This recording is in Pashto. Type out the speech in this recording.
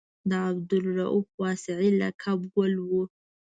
د عبدالرؤف واسعي لقب ګل و.